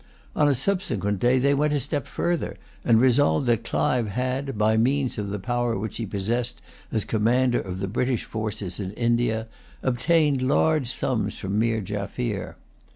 On a subsequent day they went a step further, and resolved that Clive had, by means of the power which he possessed as commander of the British forces in India, obtained large sums from Meer Jaffier.